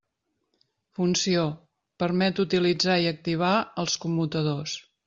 Funció: permet utilitzar i activar els commutadors.